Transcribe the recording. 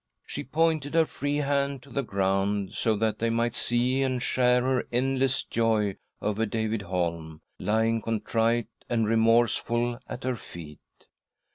She pointed her free hand to the ground, so that they might see and share her endless joy over David Holm, lying contrite and remorseful at her feet.